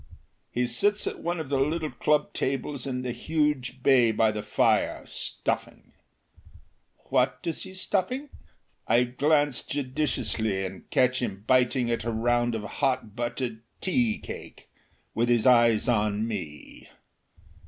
He sits at one of the little club tables in the huge bay by the fire, stuffing. What is he stuffing? I glance judiciously and catch him biting at a round of hot buttered tea cake, with his eyes on me.